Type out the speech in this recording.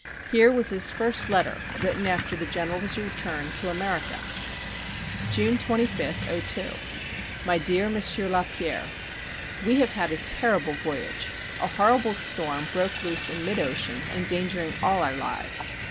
Here was his first letter written after the General's return to America: June 25, '02. My dear M. Lapierre: We have had a terrible voyage. A horrible storm broke loose in mid ocean, endangering all our lives....